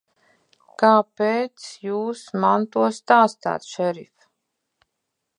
Kāpēc Jūs man to stāstāt, šerif?